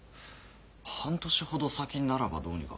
半年ほど先ならばどうにか。